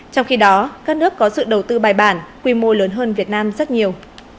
trong khi đó các nước có sự đầu tư bài bản quy mô lớn hơn việt nam rất nhiều